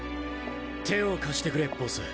手を貸してくれボス。